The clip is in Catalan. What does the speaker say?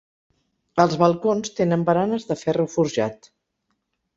Els balcons tenen baranes de ferro forjat.